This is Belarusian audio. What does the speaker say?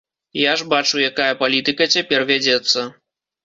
Я ж бачу, якая палітыка цяпер вядзецца.